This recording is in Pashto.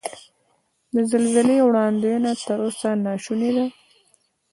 د زلزلې وړاندوینه تر اوسه نا شونې ده.